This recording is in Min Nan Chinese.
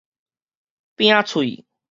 餅碎